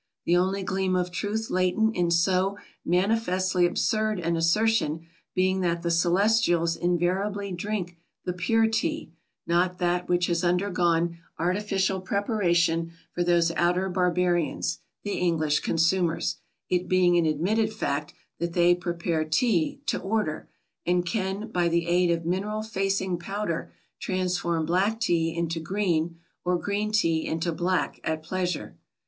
The only gleam of truth latent in so manifestly absurd an assertion being that the Celestials invariably drink the pure Tea, not that which has undergone artificial preparation for those outer barbarians, the English consumers, it being an admitted fact that they prepare Tea "to order," and can by the aid of mineral facing powder transform black Tea into green, or green Tea into black at pleasure.